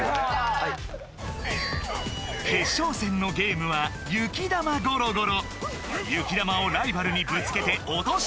決勝戦のゲームは「ゆきだまゴロゴロ」